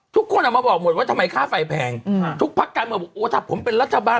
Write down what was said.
ทุกคนออกมาบอกหมดว่าทำไมค่าไฟแพงทุกพักการเมืองบอกโอ้ถ้าผมเป็นรัฐบาล